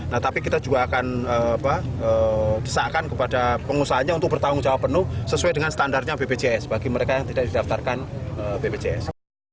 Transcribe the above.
nah tapi kita juga akan desakkan kepada pengusahanya untuk bertanggung jawab penuh sesuai dengan standarnya bpjs bagi mereka yang tidak didaftarkan bpjs